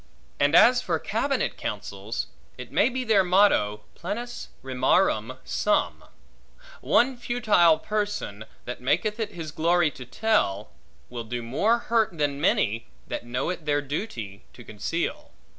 And as for cabinet counsels, it may be their motto, plenus rimarum sum: one futile person, that maketh it his glory to tell, will do more hurt than many, that know it their duty to conceal.